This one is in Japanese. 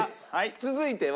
続いては。